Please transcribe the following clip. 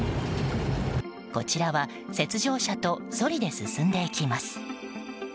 こちらは雪上車とソリで進んでいきます。